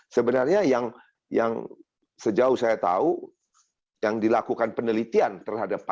sebenarnya yang sejauh saya tahu yang dilakukan penelitian terhadap